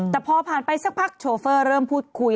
แต่พอผ่านไปสักพักโชเฟอร์เริ่มพูดคุย